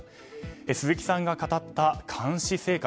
鈴木さんが語った監視生活。